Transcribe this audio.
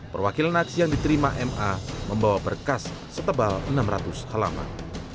perwakilan aksi yang diterima ma membawa berkas setebal enam ratus halaman